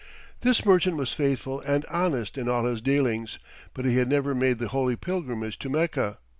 This merchant was faithful and honest in all his dealings, but he had never made the holy pilgrimage to Mecca.